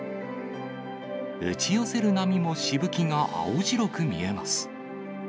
打ち寄せる波もしぶきが青白く見えます。